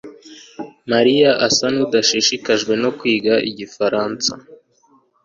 mariya asa nkudashishikajwe no kwiga igifaransa